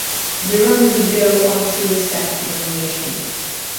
Durand would go on to accept the nomination.